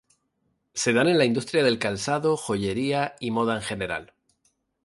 Se dan en la industria del calzado, joyería y moda en general.